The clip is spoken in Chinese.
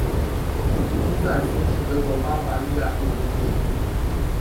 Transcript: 翁塞斯是德国巴伐利亚州的一个市镇。